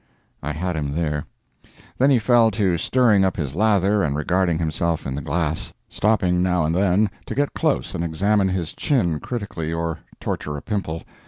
I had him there. Then he fell to stirring up his lather and regarding himself in the glass, stopping now and then to get close and examine his chin critically or torture a pimple.